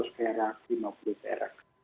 seratus perak lima puluh perak